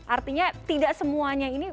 artinya tidak semuanya ini